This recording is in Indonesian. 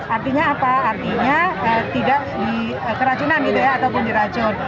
artinya apa artinya tidak dikeracunan gitu ya ataupun diracun